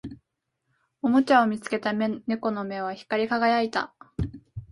おもちゃを見つけた猫の目は光り輝いた